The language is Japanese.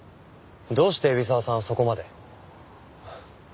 どうして海老沢さんはそこまで？